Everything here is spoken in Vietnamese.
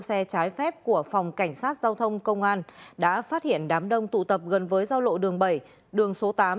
xe trái phép của phòng cảnh sát giao thông công an đã phát hiện đám đông tụ tập gần với giao lộ đường bảy đường số tám